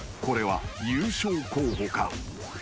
［これは優勝候補か？］